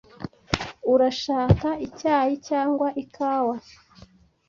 Urashaka icyayi cyangwa ikawa?